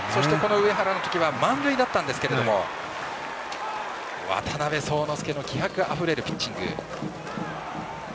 上原の時は満塁だったんですけれども渡邉聡之介の気迫あふれるピッチング。